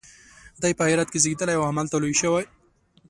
دی په هرات کې زیږېدلی او همالته لوی شوی.